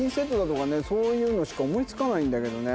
そういうのしか思い付かないんだけどね。